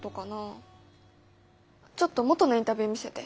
ちょっと元のインタビュー見せて。